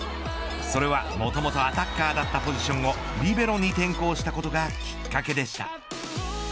それはもともとアタッカーだったポジションをリベロに転向したことがきっかけでした。